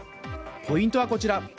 ポイントはこちら。